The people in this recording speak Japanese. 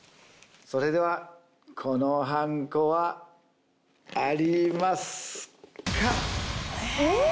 それではこのはんこはありますか？